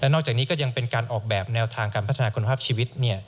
นอกจากนี้ก็ยังเป็นการออกแบบแนวทางการพัฒนาคุณภาพชีวิต